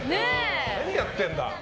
何やってんだ！